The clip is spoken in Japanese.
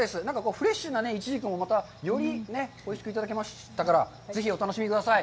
フレッシュないちじくもよりおいしくいただけましたから、ぜひお楽しみください。